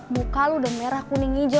muka lo udah merah kuning hijau